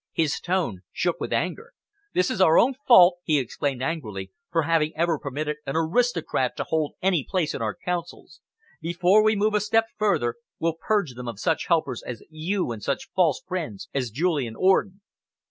His tone shook with anger. "This is our own fault," he exclaimed angrily, "for having ever permitted an aristocrat to hold any place in our counsels! Before we move a step further, we'll purge them of such helpers as you and such false friends as Julian Orden."